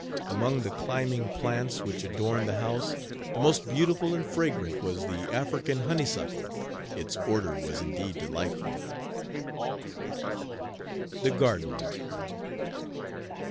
Among the climbing plants, which adorned the house, the most beautiful and fragrant was the African honeysucle its order was indeed delightful. THE GARDEN.